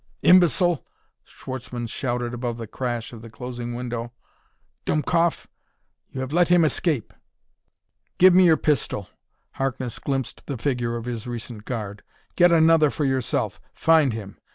"Imbecile!" Schwartzmann shouted above the crash of the closing window. "Dumkopff! You have let him escape. "Give me your pistol!" Harkness glimpsed the figure of his recent guard. "Get another for yourself find him!